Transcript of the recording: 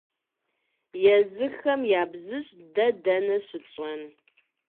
Езыхэм ябзыщӀ, дэ дэнэ щытщӀэн?